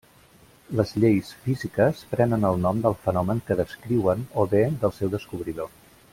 Les lleis físiques prenen el nom del fenomen que descriuen o bé del seu descobridor.